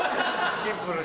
シンプルに。